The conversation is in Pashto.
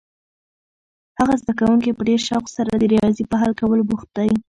هغه زده کوونکی په ډېر شوق سره د ریاضي په حل کولو بوخت دی.